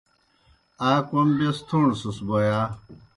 آ کوْم بیْس تھوݨسَس بوْ یا؟